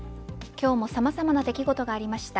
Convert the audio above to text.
今日もさまざま出来事がありました。